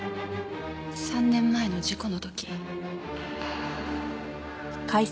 ３年前の事故の時。